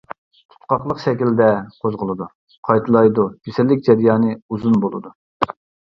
تۇتقاقلىق شەكلىدە قوزغىلىدۇ، قايتىلايدۇ، كېسەللىك جەريانى ئۇزۇن بولىدۇ.